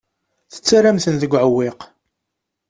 Tettarram-ten deg uɛewwiq.